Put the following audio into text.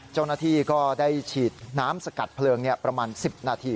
เจ้าหน้าที่ก็ได้ฉีดน้ำสกัดเพลิงประมาณ๑๐นาที